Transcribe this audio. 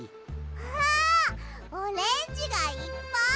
わオレンジがいっぱい！